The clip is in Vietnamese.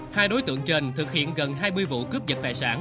hai đối tượng trên thực hiện gần hai mươi vụ cướp dật tài sản